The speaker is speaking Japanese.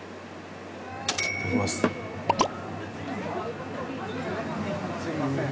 いただきます。